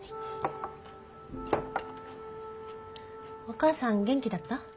お義母さん元気だった？